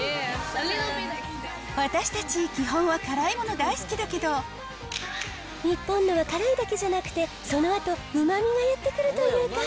私たち、基本は辛いもの大好きだけど、日本のは辛いだけじゃなくて、そのあとうまみがやって来るというか。